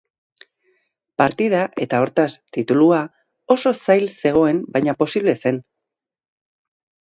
Partida eta hortaz, titulua, oso zail zegoen baina posible zen.